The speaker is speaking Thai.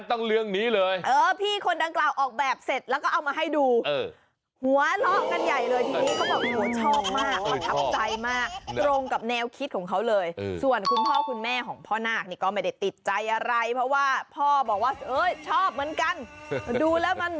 ถึงแต่มันแบบอมยิ้มดีอะไรเงี่ยพอนำมาติดหน้างาญ